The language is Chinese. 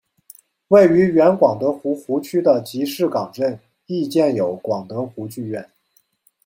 位于原广德湖湖区的集士港镇亦建有广德湖剧院。